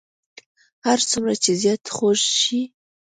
هر څومره چې زیات خوږ شي.